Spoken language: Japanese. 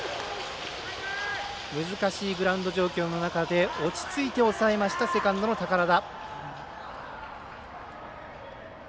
難しいグラウンド状況の中で落ち着いて抑えましたセカンドの寳田。